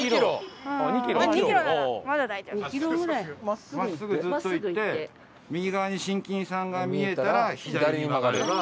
真っすぐずっと行って右側にしんきんさんが見えたら左に曲がれば。